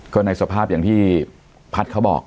ก็ในสภาพอย่างที่พัฒน์เขาบอก